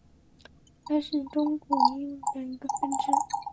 它是中古英语的一个分支。